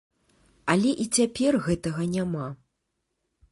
Але і цяпер гэтага няма.